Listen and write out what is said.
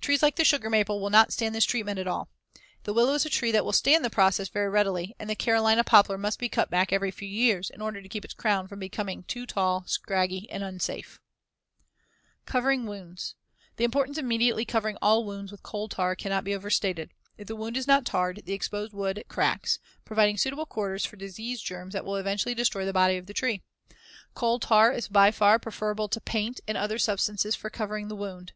Trees like the sugar maple will not stand this treatment at all. The willow is a tree that will stand the process very readily and the Carolina poplar must be cut back every few years, in order to keep its crown from becoming too tall, scraggy and unsafe. [Illustration: FIG. 114. A Limb Improperly Cut. Note how the stub is decaying and the resulting cavity is becoming diseased.] Covering wounds: The importance of immediately covering all wounds with coal tar cannot be overstated. If the wound is not tarred, the exposed wood cracks, as in Fig. 115, providing suitable quarters for disease germs that will eventually destroy the body of the tree. Coal tar is by far preferable to paint and other substances for covering the wound.